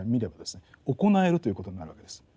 行えるということになるわけです。